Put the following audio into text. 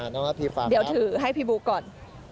น้องครับพี่ฝากครับเดี๋ยวถือให้พี่บุ๊คก่อน